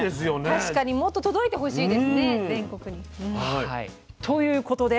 確かにもっと届いてほしいですね全国に。ということで。